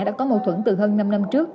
đã có mâu thuẫn từ hơn năm năm trước